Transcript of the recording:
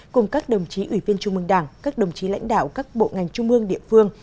cùng các đồng chí ủy viên trung mương đảng các đồng chí lãnh đạo các bộ ngành trung mương địa phương